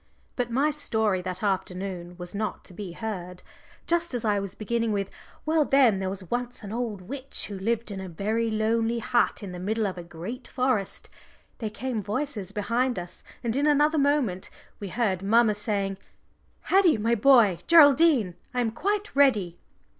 But my story that afternoon was not to be heard. Just as I was beginning with, "Well, then, there was once an old witch who lived in a very lonely hut in the middle of a great forest," there came voices behind us, and in another moment we heard mamma saying, "Haddie, my boy, Geraldine, I am quite ready."